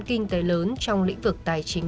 kinh tế lớn trong lĩnh vực tài chính